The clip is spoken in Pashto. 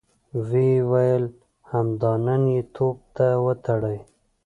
ويې ويل: همدا نن يې توپ ته وتړئ!